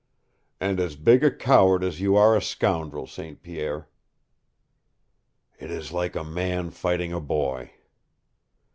"And as big a coward as you are a scoundrel, St. Pierre." "It is like a man fighting a boy."